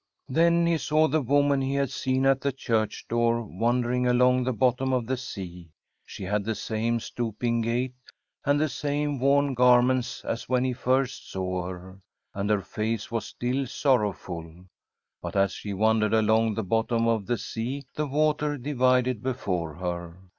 Then he saw the woman he had seen at the church door wandering along the bottom of the sea. She had the same stooping gait and the same worn garments as when he first saw her, and her face was still sorrowful. But as she wandered along the bottom of the sea the water divided before her.